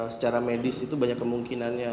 secara medis itu banyak kemungkinan ya